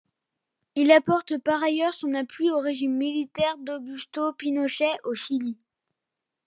Il apporte par ailleurs son appui au régime militaire d'Augusto Pinochet au Chili.